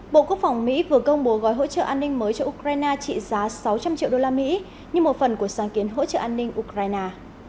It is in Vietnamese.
bộ quốc phòng mỹ vừa công bố gói hỗ trợ an ninh mới cho ukraine trị giá sáu trăm linh triệu đô la mỹ như một phần của sáng kiến hỗ trợ an ninh ukraine